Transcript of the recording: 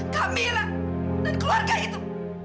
kamila dan keluarga itu